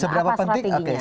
butuh apa last ratigenya